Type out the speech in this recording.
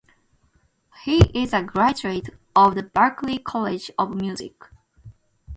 He is a graduate of the Berklee College of Music.